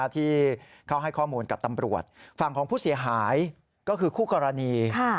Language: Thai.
ที่เขาให้ข้อมูลกับตำรวจฝั่งของผู้เสียหายก็คือคู่กรณี